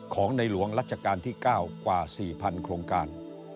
ของในหลวงรัชกาลที่๙กว่า๔๐๐โครงการ